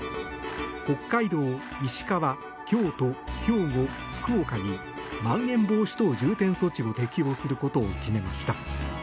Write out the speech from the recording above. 北海道、石川、京都兵庫、福岡にまん延防止等重点措置を適用することを決めました。